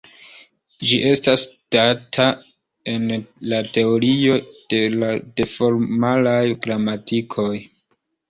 Ĝi estas studata en la Teorio de formalaj gramatikoj.